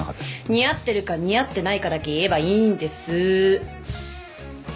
似合ってるか似合ってないかだけ言えばいいんですぅ。